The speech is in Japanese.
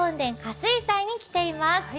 睡斎に来ています。